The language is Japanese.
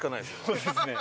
そうですね。